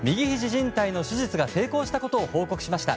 じん帯の手術が成功したことを報告しました。